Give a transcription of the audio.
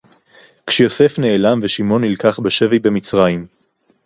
כשיוסף נעלם ושמעון נלקח בשבי במצרים